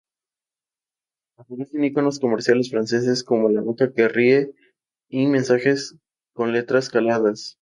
Aparecen iconos comerciales franceses como la vaca que ríe y mensajes con letras caladas.·.